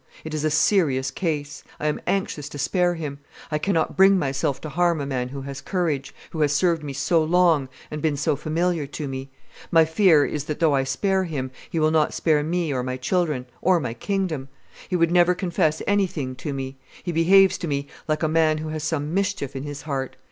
It is a serious case. I am anxious to spare him. I cannot bring myself to harm a man who has courage, who has served me so long and been so familiar with me. My fear is that, though I spare him, he will not spare me or my children, or my kingdom. He would never confess anything to me; he behaves to me like a man who has some mischief in his heart.